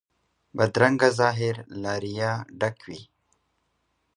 بدرنګه ظاهر له ریا ډک وي